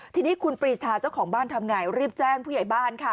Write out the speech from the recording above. ทีนี้คุณปรีชาเจ้าของบ้านทำไงรีบแจ้งผู้ใหญ่บ้านค่ะ